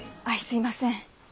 あいすいません。